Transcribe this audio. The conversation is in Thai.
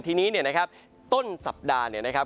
ทีนี้เนี่ยนะครับต้นสัปดาห์เนี่ยนะครับ